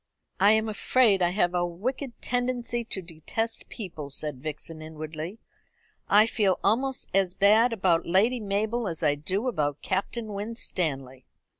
"I am afraid I have a wicked tendency to detest people," said Vixen inwardly. "I feel almost as bad about Lady Mabel as I do about Captain Winstanley."